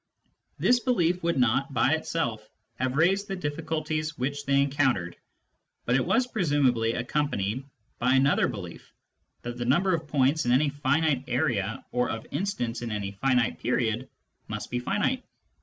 * This belief would not, by itself, have raised the difliculties which they encountered, but it was pre sumably accompanied by another belief, that the humber of points in any finite area or of instants in any finite period must be finite.